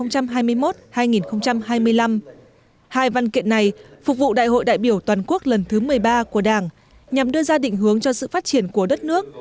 hai văn kiện này phục vụ đại hội đại biểu toàn quốc lần thứ một mươi ba của đảng nhằm đưa ra định hướng cho sự phát triển của đất nước